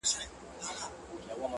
• خدایه هغه مه اخلې زما تر جنازې پوري ـ